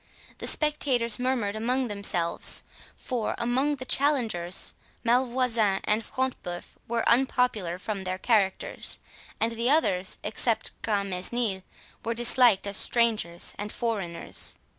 The spectators murmured among themselves; for, among the challengers, Malvoisin and Front de Bœuf were unpopular from their characters, and the others, except Grantmesnil, were disliked as strangers and foreigners.